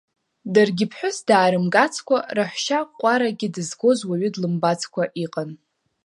Даргьы ԥҳәыс даарымгацкәа, раҳәшьа Ҟәарагьы дызгоз уаҩы длымбацкәа иҟан.